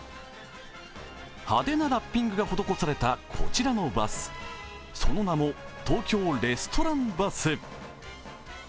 派手なラッピングが施されたこちらのバスその名も東京レストランバス。